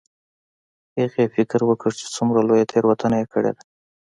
هغې فکر وکړ چې څومره لویه تیروتنه یې کړې ده